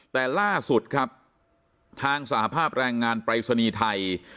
แต่ล่าสุดครับทางสหภาพแรงงานปรายศนีย์ไทย